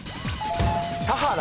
田原。